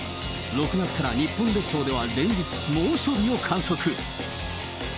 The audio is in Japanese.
６月から日本列島では連日猛暑日を観測。